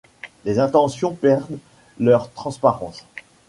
Les intentions perdent leur transparence.